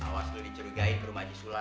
awas lo dicurigain ke rumah haji sulam